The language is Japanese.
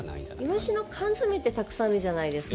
イワシの缶詰ってたくさんあるじゃないですか。